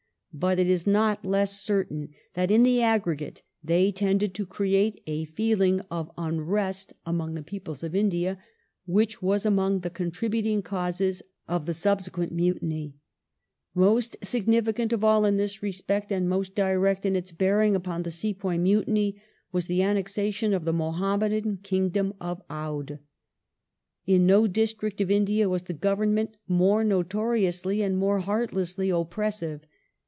But it is not less certain that in the aggregate they tended to create a feeling of unrest among the peoples of India which was among the contributory causes of the subsequent Mutiny. The an Most significant of all in this respect, and most direct in its "f ()^*dh b^^^i^^g upon the Sepoy Mutiny, was the annexation of the Muhammadan kingdom of Oudh. In no district of India was the Government more notoriously and more heartlessly oppressive.